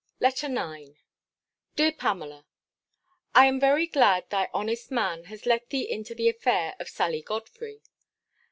LETTER IX DEAR PAMELA, I am very glad thy honest man has let thee into the affair of Sally Godfrey.